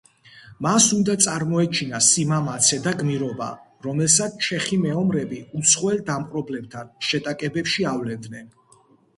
მას უნდა წარმოეჩინა სიმამაცე და გმირობა, რომელსაც ჩეხი მეომრები უცხოელ დამპყრობლებთან შეტაკებებში ავლენდნენ.